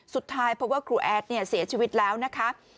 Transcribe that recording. สุดท้ายพบว่าครูแอดเสียชีวิตแล้วนะคะ